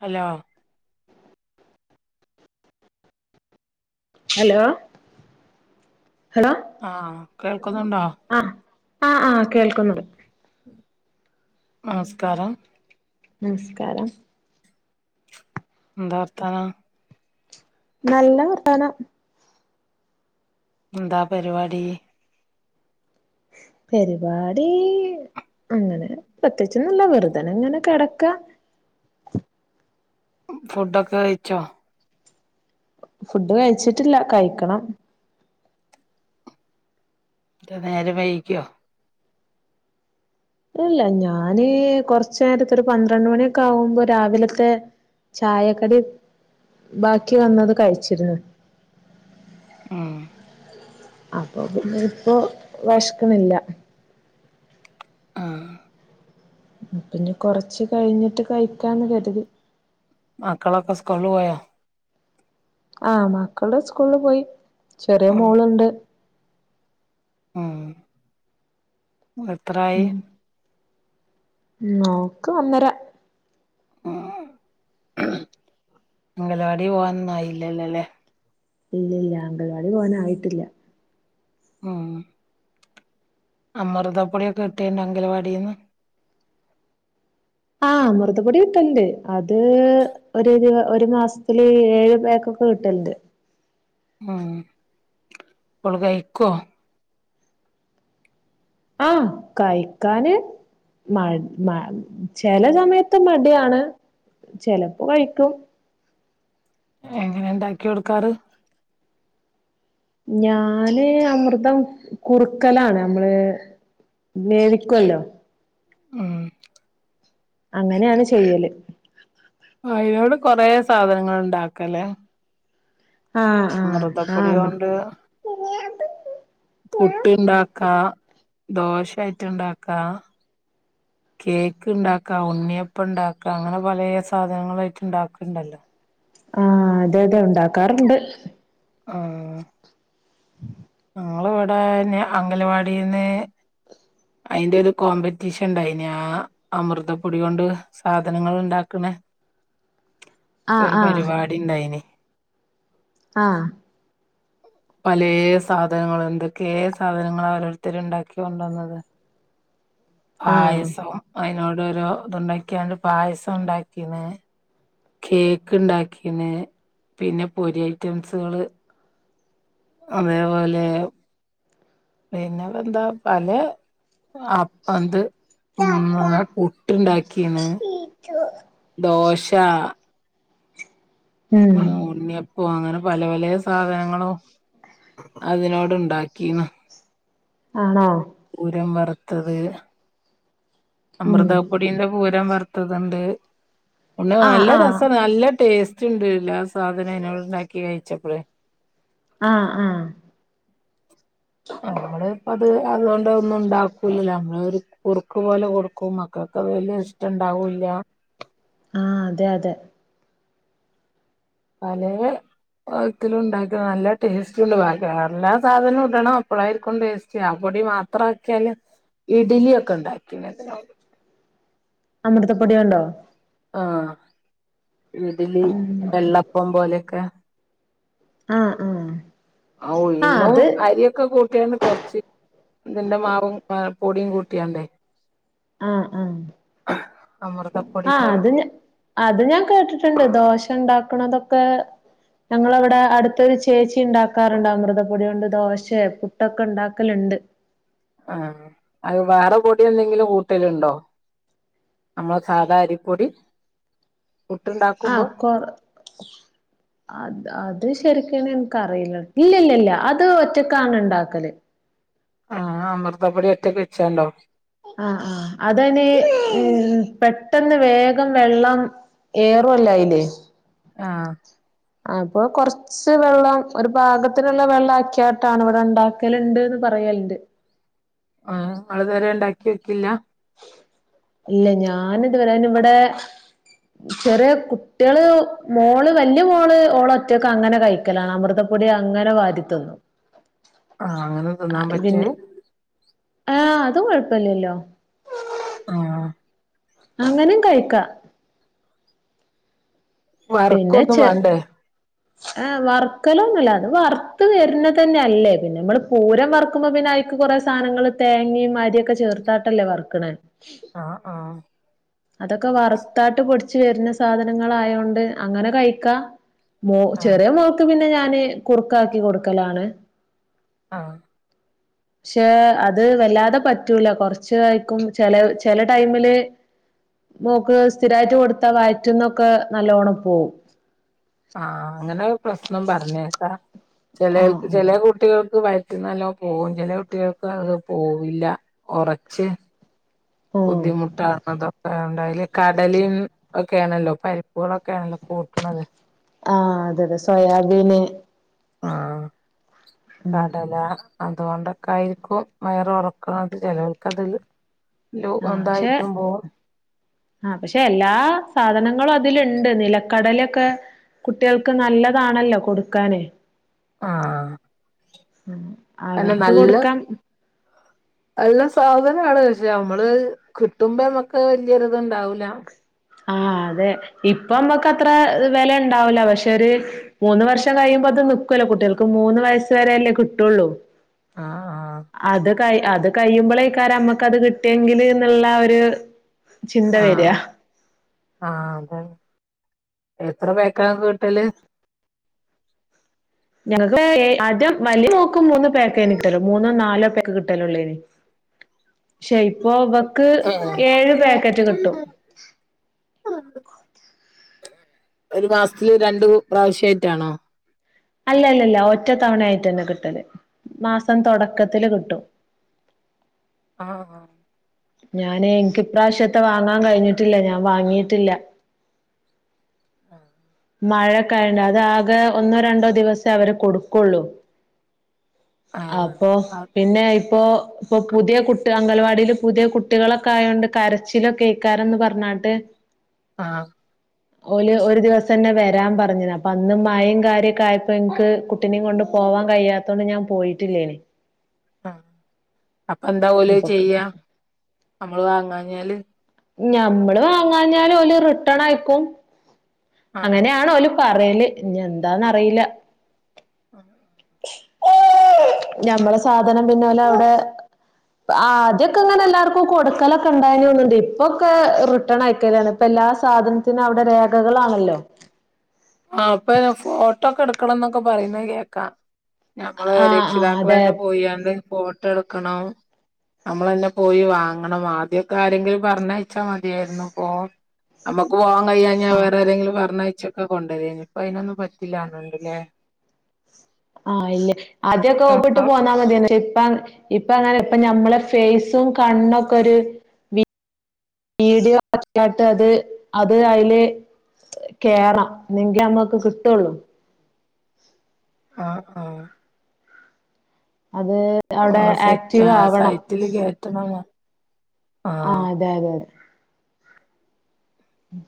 Hello hello hello ആഹ് [unintelligible] ക്കുന്നുണ്ടോ ആഹ് ആഹ് അ അ കേൾക്കുന്നുണ്ട് നമസ്കാരം നംസ്കാരം എന്താ വർത്താനം നല്ല വർത്താനം എന്താ പരിപാടി പരിപാടി അങ്ങനെ പ്രത്യേകിച്ചൊന്നുല്ല വെറുതനിങ്ങനെ കിടക്കാ ഫുഡൊക്കെ കയിച്ചോ ഫുഡ് കഴിച്ചിട്ടില്ല കയിക്കണം [unintelligible] നേരെ വൈകിയോ ഇല്ല ഞാന് കൊറച്ച് നേരത്തൊരു പന്ത്രണ്ട് മണിയൊക്കെ ആവുമ്പോ രാവിലത്തെ ചായക്കടി ബാക്കി വന്നത് കഴിച്ചിരു മം അപ്പോ പിന്നെ ഇപ്പൊ വെശ്ക്കണില്ല ആഹ് പിന്നെ കൊറച്ച് കഴിഞ്ഞിട്ട് കഴിക്കാന്ന് കരുതി മക്കളൊക്കെ സ്കൂളില് പോയൊ ആ മക്കള് സ്കൂളില് പോയി ചെറിയ മോള്ണ്ട് ആഹ് എത്രായി ഉം മോക്ക് ഒന്നര അംഗലവാടി പോവാൻ ഒന്നുംയായില്ലല്ലോ അല്ലേ ഇല്ലല്ല അംഗലവാടി പോവാൻ ആയിട്ടില്ല ആഹ് അമൃതം പൊടിയൊക്കെ കിട്ടിണ്ടോ അംഗലവാടിന്ന് ആഹ് അമൃതപൊടി കിട്ട്ണ്ട് അത് ഒരു രു ഒരു മാസത്തില് ഏഴുപേര്ക്കൊക്കെ കിട്ട്ണ്ട് ഉം ഇവള് കഴിക്കുവോ ആ കഴിക്കാന് മ മ ചില സമയത്ത് മടിയാണ് ചെലപ്പോ കഴിക്കും എങ്ങനെ ഒണ്ടാക്കി കൊടുക്കാറ് ഞാന് അമൃതം കുറുക്കലാണ് നമ്മള് വേവിക്കുവല്ലോ ആഹ് അങ്ങനെയാണ് ചെയ്യല് ആ ഇതിനോട് കൊറെ സാധനങ്ങൾ ഇണ്ടാക്കല്ലേ ആഹ് ആഹ് അമൃതപ്പൊടി ആഹ് കൊണ്ട് പുട്ട് ഇണ്ടാക്കാ ദോശയായിറ്റ് ഇണ്ടാക്കാ, കേക്ക് ഇണ്ടാക്കാ, ഉണ്ണിയപ്പ ഇണ്ടാക്കാ, അങ്ങനെ പലേ സാധനങ്ങളായിറ്റ് ഇണ്ടാക്ക്ണ്ടല്ലോ. ആഹ് അതെ അതെ ഇണ്ടാക്കാറണ്ട്. ആഹ് ഞങ്ങളെ ഇവിടെ അംഗലവാടീന്ന് അയിന്റെ ഒരു കോമ്പറ്റീഷൻ ഇണ്ടായിന് ആ അമൃതപ്പൊടി കൊണ്ട് സാധനങ്ങള് ഇണ്ടാക്കണെ ആഹ് ഒരു ആഹ് പരിപാടി ഇണ്ടായിനി ആഹ് പലേ സ് സാധനങ്ങള് എന്തൊക്കെയെ സാധനങ്ങള് ഓരോരുത്തര്ണ്ടാക്കി കൊണ്ടു വന്നത്. ആഹ് പായസം അയിനോട് ഓരോ ഇത്ണ്ടാക്കിയാണ്ട് പായസം ഇണ്ടാക്കീന് കേക്ക് ഇണ്ടാക്കീണ് പിന്നെ പൊരി ഐറ്റംസുകള് അതേപോലെ പിന്നെ എന്താ പല അപ്പന്ത് ഉം പുട്ടുണ്ടാക്കീണ്. ദോശാ ഉം മാ ഉണ്ണിയപ്പം അങ്ങനെ പല പലേ സാധനങ്ങളും അതിനോണ്ട് ഇണ്ടാക്കീണ് ആണോ പൂരം വറത്ത് ത്തത് ഉം അമൃതപ്പൊടീന്റെ പൂരം വറ് ത്തത്ണ്ട് ആഹ് നല്ല ആഹ് രസം നല്ല ടേസ്റ്റ് ഇച്ച് ണ്ട് എല്ല സാധനം ഇനോട്ണ്ടാക്കി കഴിച്ചപ്പളേ ആഹ് ഹ് ആഹ് നമ്മള് ഇപ്പം അതുകൊണ്ട് ഒന്നും ഉണ്ടാക്കൂല ല്ലോ നമ്മള് ഒരു കുറുക്ക് പോലെ കൊടുക്കും മക്കൾക്ക് വലിയ ഇഷ്ടം ഇണ്ടാവൂല്യ ആഹ് അതെ അതെ പലെ കോലത്തിലും ഉണ്ടാക്ക നല്ല ടേസ്റ്റ ഉണ്ട് ഭഗ എല്ലാ സാധനവും ഇടണം അപ്പഴായിരിക്കും ടേസ്റ്റി ആ പൊടി മാത്ര ആക്കിയാല് ഇഡലി ഒക്കെ ഉണ്ടാക്കിതിന അമൃതപ്പൊടിയൊണ്ടോ ആഹ് ഇഡലി വെള്ളപ്പം പോലെയൊക്കെ ആഹ് ആഹ് ആ ആഹ് ഉഴുന്നും അത് അരിയൊക്കെ കൂട്ടിയണ്ട് കൊറച്ച് ഇതിന്റെ മാവും പൊടിയും കൂട്ടിയണ്ടേ ആഹ് ആഹ് ആഹ് അമൃതപ്പൊടിന്റെ അത് അത് ഞാൻ കേട്ടിട്ടുണ്ട് ദോശ ഉണ്ടാക്കണതൊക്കെ ക്ക ഞങ്ങളവിടെ അടുത്തൊരു ചേച്ചി ഉണ്ടാക്കാറുണ്ട് അമൃതപ്പൊടുണ്ട് ദോശ പുട്ടൊക്കെ ഉണ്ടാക്കലുണ്ട് ആ അത് വേറെ പൊടി എന്തെങ്കിലും കൂട്ടലുണ്ടോ നമ്മള സാധാരിപ്പൊടി ആ കൊറ അത് അത് ശരി എനക്ക്റിയില്ല ഇല്ലല്ല അത് ഒറ്റക്കാണ് ഉണ്ടാക്കല് ആഹ് അമൃതപ്പൊടി ഒറ്റക്ക് വെച്ചാണ്ടോ ആഹ ആ അതന് പെട്ടെന്ന് വേഗം വെള്ളം ഏറൂല്ലോ അതിൽ ആഹ് അപ്പൊ കൊറച്ച് വെള്ളം ഒരു പാഗത്തിനുള്ള വെള്ളം ആക്കിയാട്ടാണ് ഇവിടെ ഉണ്ടാക്കലുണ്ട്ന്ന് പറയലിണ്ട് ആ് നൾതുവരെ ഉണ്ടാക്കി നോക്കില്ല ഇല്ല ഞാനിത് വരെ ഇവിടെ ചെറിയ കുട്ടികള് മോള് വലിയ മോള് ഓള് ഒറ്റക്കെ അങ്ങനെ കഴിക്കലാണ് അമൃതപ്പൊടി അങ്ങനെ വാരിത്തിന്നും ആഹ് അങ്ങനെ തിന്നാൻ പറ്റൊ അത് ആഹ് അത് കൊഴപ്പില്ലല്ലോ ആഹ് അങ്ങനും കഴിക്കാ വർക്കൊന്നും വേണ്ടേ ഏ വറക്കലോന്നുമല്ല അത് വറുത്ത് വരുന്നത് തന്നെയ അല്ലേ പിന്നെ നമ്മള് പൂരം വറക്കുമ്പോ പിന്നെ അക്ക് കുറെേ സാധനങ്ങളൾ തേങ്ങയും അരിയൊക്കെ ചേർത്താട്ടല്ലേ വറക്കണൻ ആഹ് ആഹ് അതൊക്കെ വറുത്താട്ട് പൊടി ച്ച് വരുന്ന സാധനങ്ങളായോണ്ട് അങ്ങനെ കഴിക്കാ മോ ആഹ് ചെറിയ മോൾക്ക് പിന്നെ ഞാ ന് കുറുക്കാക്കി കൊടുക്കലാണ് ആഹ പക്ഷെ അത് വല്ലാതെ പറ്റൂല കുറച്ച ആായിരിക്കും ചില ചില ടൈമില് മോക്ക് സ്ഥിരായിട്ട് കൊടുത്താ വറ്റുന്നൊക്കെ നല്ലോണം പോകവും ആഹ അങ്ങനെ പ്രശ്നം പറഞ്ഞിട്ട ചിലൾക്ക് ആഹ് ചില കുട്ടികൾക്ക് നല്ലോ പോകും ചില കുട്ടികൾക്ക് അത് പോവില്ല കുറച്ച് ആഹ് ബുദ്ധിമുട്ട് ആണത്. അതിലെ കടല ഒക്കെയാണല്ലോ പരിപ്പുകളൊക്കെയാണല്ലോ കൂട്ടണുന്നത്. ആഹ് അതെ അതെ സോയാബീന് ആഹ്. ഉം കടല. അതുകൊണ്ടൊക്കെ ആയിരിക്കും വയർ ഉറക്കണത് ചിലവൾക്ക് അത് ആഹ് പക്ഷെ ആഹ് പക്ഷെ എല്ലാ സാധനം. ഞങ്ങള അതിലുണ്ട് നിലക്കടലൊക്കെ കുട്ടികൾക്ക് നല്ലതാണല്ലോ കൊടുക്കാന് ആഹ്. അല്ല അവർക്ക് നല്ല കൊടുക്കാം. നല്ല സാധനാണ് പക്ഷെ നമ്മള് കിട്ടുമ്പോമ്മൊക്കെ വല്ിയൊരി ഇത് ഇണ്ടാവൂല ആ അതെ. ഇപ്പൊ നമ്മുക്ക്ത്ര അത് വില ഉണ്ടാവൂല്ല പക്ഷെ ഒരു ഇപ്പൊ വേലണ്ടാകില്ല മൂന്ന് വർഷം കഴിയുമ്പോ അത് നിക്കൂല്ലോ കുട്ടികൾക്ക് മൂന്ന് വയസ്സ് വരെെയല്ലേ കിട്ടുള്ളൂ. ആഹ്. അത് ക അത് കഴിയുമ്പോൾ ആയിരിക്കും നമക്ക് അത് കിട്ടേക്കിൽ എന്ന് ഒരു ചിന്ത വരിക ആഹ് ആഹ് അതെ. എത്ര പേക്കാണ് വീട്ടല് ഞങ്ങക്ക് ആദ്യം വലിയ മോൾക്ക് മൂന്ന് പേക്ക്നിക്കല്ലോ മൂന്നോ നാലോ ക്കെ കിട്ടാലോള്ളന്. പക്ഷേ ഇപ്പൊ ഇവക്ക് ഏഹ് ഏഴ് പാക്കറ്റ് കിട്ടും. ഒരു മാസത്തില് രണ്ടു പ്രാവശ്യയിട്ടാണോ. അല്ലല്ലല്ല ഒറ്റ തവണയയിട്ട് തന്നെ കിട്ടല് മാസം തുടക്കത്തില് കിട്ടും. ആഹ് ആഹ്. ഞാന് എനിക്കി പ്രാവശ്യത്തെ വാങ്ങാൻ കഴിഞ്ഞിട്ടില്ല ഞാൻ വാങ്ങിയിട്ടില്ല. ആഹ്. മഴ കയണ്ട അത് ആകെ ഒന്നോ രണ്ടോ ദിവസേ അവര് കൊടുക്കുള്ളു. ആഹ് അപ്പൊ ആഹ് പിന്നെ ഇപ്പോ ഇപ്പൊ ആഹ് പുതിയ കുട് അംഗൽവാടിയില് പുതിയ കുട്ടികളൊക്കെ ആയോണ്ട് കരച്ചിലൊ കേൾക്കാറന്ന് പറഞ്ഞാട്ട്. ആഹ്. ഒരു ദിവസം. തന്നെ വരാൻ പറഞ്ഞത് അപ്പൊ അന്നും മയും കാര്യൊക്കെ ആയപ്പോ ഇൻക്ക് കുട്ടിനിം കൊണ്ട് പോവാൻ കയ്യാത്തോണ്ട് ഞാൻ പോയിട്ടില്ലേന്. ആ അപ്പൊ എന്താ ഓല് ഇപ്പൊക്ക് ചെയ്യാ നമ്മള് വാങ്ങാൻ പറഞ്ഞാല് ഞമ്മള് വാങ്ങാഞ്ഞാല് ഓല് റിട്ടേൺ അയക്കും. ആഹ് അങ്ങനെയാണോല്.. പറയല് ഇനി എന്താന്നറീല. ആഹ ഞമ്മടെ സാധനം പിന്ന ഓലവടെ, ആദ്യൊക്കെ അങ്ങനെ എല്ലാർക്കും കൊടുക്കലൊക്കെ ഉണ്ടായ്നുന്നണ്ട്. ഇപ്പൊക്കെ റിട്ടേൺ അയക്കലാണ് ഇപ്പൊ എല്ലാ സാധനത്തിനും അവിടെ രേഖകളാണല്ലോ. ആ അപ്പൊ ഫോട്ടോക്കെ എടുക്കണം എന്നൊക്കെ പറയുന്ന കേക്കാം ഞമ്മള് ആഹ് ആഹ് അതെ രക്ഷിതാക്കളന്നെ പോയിയണ്ട് പോ.. എടുക്കണം, നമ്മള് തന്നെ പോയി വാങ്ങണം ആദ്യക്കെ ആരെങ്കിലും പറഞ്ഞ.. യമതിയായിരുന്നു ഫോൺ നമ്മുക്ക് വാങ്.. അയ്യാ ഞാൻ ആഹ് വേറെ ആരെങ്കിലും പറഞ്ഞയക്കാ - ചോക്.. കൊണ്ടരേനു ഇപ്പ അയ്നൊന്നും പറ്റില്ലന്നണ്ടല്ലേ.. ആഹ ഇല്ലേ ആദ്യമൊക്കെ ഒപ്പിട്ട് പോന്നാ മതിയെ.. ഇപ്പ ഇപ്പ അങ്ങനെ ഇപ്പ ഞമ്മളെ ഫേസും കണ്ണൊക്കെ ഒരു വീഡിയോ ഒക്കട്ട് അത്, അത് അതിൽ കേറാം എങ്കി അമ്മക്ക് കിട്ടുള്ളൂ. ആ ആ.. അത് അവിടെ ഓഹ് സെറ്റ് ആക്റ്റീവ് ആവണം. സൈറ്റില് കേറ്റണം ആ ആഹ് അതെ അതെ അതെ. ഉം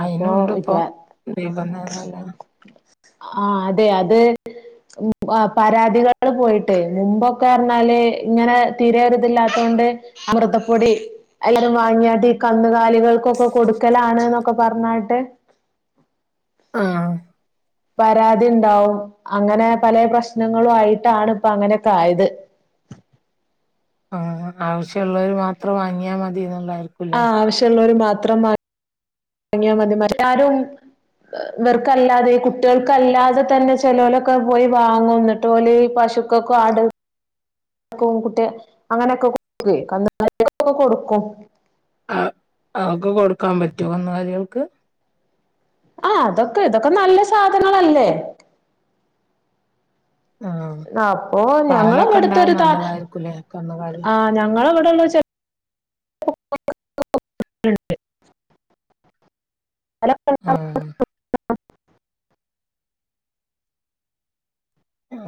ആയിനുണ്ട് ഇപ്പൊ ദീപംനല്ല.. ആ അതെ അത് പരാതികള് പോയിട്ടേ, മുമ്പൊക്കെ പറിഞ്ഞാല് ഇങ്ങനെ തീരരുതില്ലാത്തോണ്ട് അമൃതപ്പൊടി എല്ലാരും വാങ്ങിയാട്ട ഈ കന്നുകാലികൾക്കൊക്കെ കൊടുക്കലാണ്.. ഒക്കെ പറഞ്ഞാട്ട് ആഹ. പരാതിണ്ടാവും അങ്ങനെ പല പ്രശ്നങ്ങളും ആയിട്ടാണ് ഇപ്പ അങ്ങനെയൊക്കെ ആയത്. ആ ആവശ്യമുള്ളവര് മാത്രം വാങ്ങിയാൽ മതീന്ന്ള്ളതാ ആഹ് ആവശ്യമുള്ളരു മാ.. മാത്രം വാങ്ങിയാൽ മതി മറ്റാരും ഇവർക്കല്ലാതെ ഈ കുട്ടികൾക്കല്ലാതെ തന്നെ ചെലോലൊക്കെ പോയി വാങ്ങും, എന്നിട്ട് ഓല് പശുക്കൊക്കെ ആട്.. കുട്ടി അങ്ങനെയൊക്കെ കൊടുക്കുവേ കന്നു കാലിക്കൊക്കെ കൊടുക്കും. ആ അതൊക്ക് കൊടുക്കാൻ പറ്റോ കന്നുകാലികൾക്ക് ആഹ അതൊക്കെ ഇതൊക്കെ നല്ല സാധനങ്ങളല്ലേ.. ആ അപ്പൊ ഞങ്ങള് പാലൊക്കെ ഇണ്ടാവാൻ ഇവിടുത്തൊരു നല്ലതായിരിക്കൂല്ലേ കന്നകാലി.. ഞങ്ങളിവിടുള്ള ചെ.. ണ്ട് അല ആഹ് [unintelligible]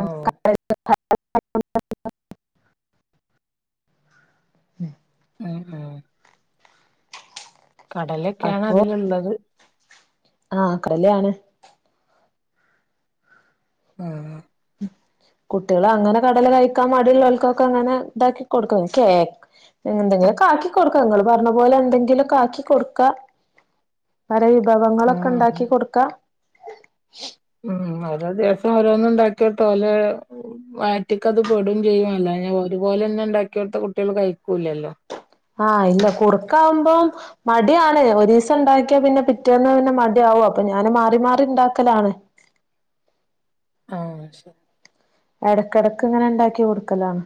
ഓ ഉം. ഉം ഉം. കടലക്കെയാണ് അതിലുള്ളത്. ആഹ് കലയാണ്. ആഹ്. കുട്ടികൾ അങ്ങനെ കടല കഴിക്കാൻ മടിയുള്ളവർക്കൊക്കെ അങ്ങനെ ഇതാക്കി കൊടുക്ക. [unintelligible] എന്തെങ്കിലൊക്കാക്കി കൊടുക്ക ങ്ങള് പറഞ്ഞ പോലെ എന്തെങ്കിലൊക്കാക്കി കൊടുക്കാ [unintelligible] പറ വിഭവങ്ങളൊക്കെ ഉണ്ടാക്കി കൊടുക്കാം മ് അതെ അതു ദിവസം ഓരോന്നും ഉണ്ടാക്കി കൊടുത്ത ഓലെ വയറ്റിക്കത് പെടും ചെയ്യും അല്ലാതെ ഒരുപോലെ തന്നെ ഉണ്ടാക്കിക്കൊടുത്ത കുട്ടികൾ കഴിക്കൂല്ലല്ലോ ആ ഇല്ല കുറുക്കാവുമ്പം മ- മടിയാണ് ഒരു ദിവസം ഉണ്ടാക്കിയാ പിന്നെ പിറ്റേന്ന് പിന്നെ മടി ആവും അപ്പൊ ഞാന് മാറി മാറി ഉണ്ടാക്കലാണ് ആ ശരി ഇടക്കിടക്ക് ഇങ്ങനെ ഉണ്ടാക്കി കൊടുക്കലാണ്